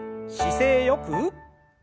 姿勢よく。